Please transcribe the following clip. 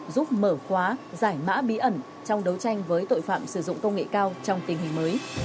giúp mở khóa giải mã bí ẩn trong đấu tranh với tội phạm sử dụng công nghệ cao trong tình hình mới